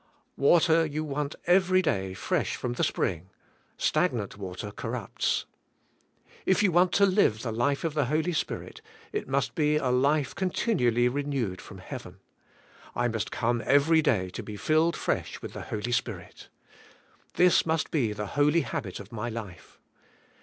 Water you want ever day fresh from the spring ; stagnant water corrupts. If you want to live the life of the Holy Spirit it must be a life continually renewed from heaven. I must come every day to be filled fresh with the Holy Spirit. This must be the holy habit of my life.